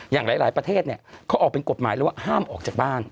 อย่างหลายประเทศเนี่ยเขาออกเป็นกฎหมายเลยว่าห้ามออกจากบ้าน